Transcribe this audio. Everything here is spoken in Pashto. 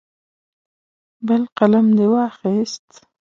بل قلم دې واخیست.